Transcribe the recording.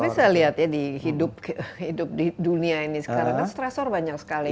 tapi saya lihat ya di hidup di dunia ini sekarang kan stressor banyak sekali